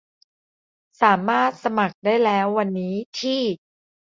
สามารถสมัครได้แล้ววันนี้ที่